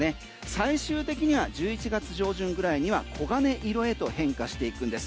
最終的には１１月上旬ぐらいには黄金色へと変化していくんです。